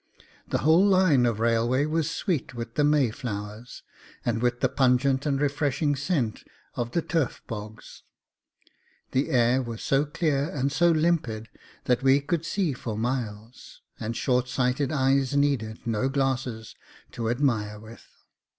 The whole line of railway was sweet with the May flowers, and with the pungent and refreshing scent of the turf bogs. The air was so clear and so limpid that we could see for miles, and short sighted eyes needed no glasses to admire with.